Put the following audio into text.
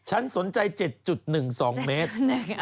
ฉันสนใจ๗๑๒เมตร